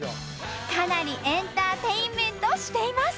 かなりエンターテインメントしています。